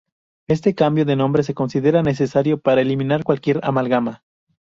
Este cambio de nombre se considera necesario para eliminar cualquier amalgama.